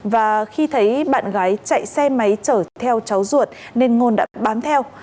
và khi thấy bạn gái chạy xe máy chở theo cháu ruột nên ngôn đã bám theo